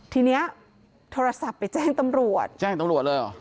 ทีนี้โทรศัพท์ไปแจ้งตำรวจแจ้งตำรวจเลยเหรอ